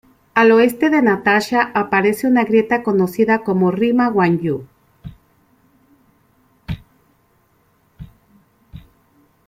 Al oeste de Natasha aparece una grieta conocida como Rima Wan-Yu.